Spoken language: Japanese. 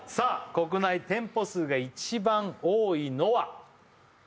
国内店舗数が一番多いのは？